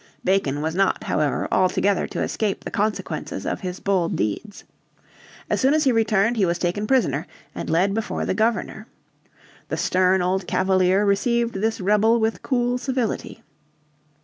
Bacon was not, however, altogether to escape the consequences of his bold deeds. As soon as he returned he was taken prisoner and led before the Governor. The stern old Cavalier received this rebel with cool civility.